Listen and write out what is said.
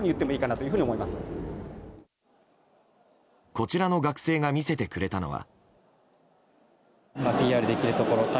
こちらの学生が見せてくれたのは。